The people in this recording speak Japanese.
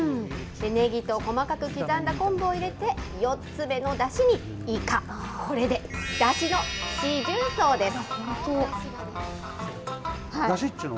ねぎと細かく刻んだ昆布を入れて、４つ目のだしにイカ、これでだしの四重奏です。